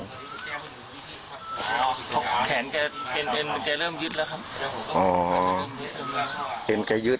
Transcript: แกเห็นใกเหยื้ด